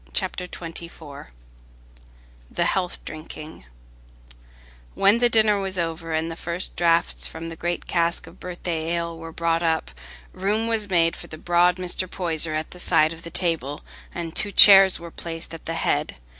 Chapter XXIV The Health Drinking When the dinner was over, and the first draughts from the great cask of birthday ale were brought up, room was made for the broad Mr. Poyser at the side of the table, and two chairs were placed at the head.